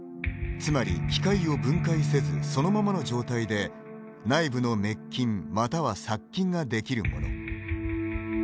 つまり機械を分解せずそのままの状態で、内部の滅菌または殺菌ができるもの。